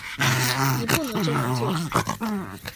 你不能这样做